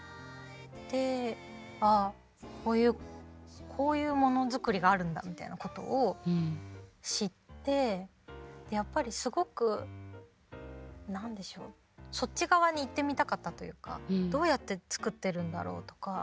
ああこういうものづくりがあるんだみたいなことを知ってやっぱりすごく何でしょうそっち側に行ってみたかったというかどうやって作ってるんだろうとか。